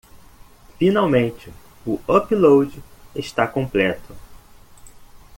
Finalmente o upload está completo